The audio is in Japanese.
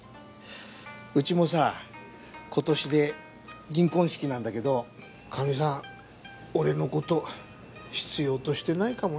うちもさ今年で銀婚式なんだけどカミさん俺の事必要としてないかもね。